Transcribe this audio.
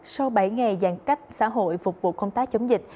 sau bảy ngày giãn cách xã hội phục vụ công tác chống dịch